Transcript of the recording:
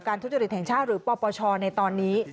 ทุจริตแห่งชาติหรือปปชในตอนนี้